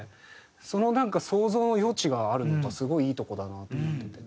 その想像の余地があるのがすごいいいとこだなと思ってて。